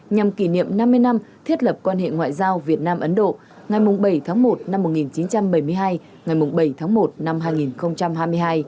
nhằm kỷ niệm năm mươi năm thiết lập quan hệ ngoại giao việt nam ấn độ ngày bảy tháng một năm một nghìn chín trăm bảy mươi hai ngày bảy tháng một năm hai nghìn hai mươi hai